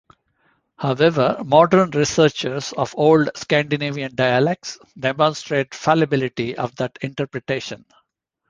However, modern researches of old Scandinavian dialects demonstrate fallibility of that interpretation.